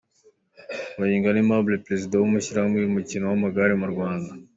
Bayingana Aimable perezida w'ishyirahamwe ry'umukino w'amagare mu Rwanda .